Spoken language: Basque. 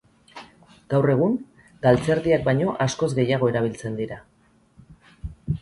Gaur egun, galtzerdiak baino askoz gehiago erabiltzen dira.